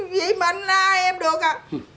vậy mà anh ai em được à